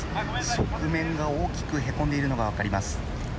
側面が大きくへこんでいるのが分かります。